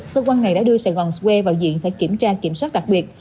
cơ quan này đã đưa sài gòn squay vào diện phải kiểm tra kiểm soát đặc biệt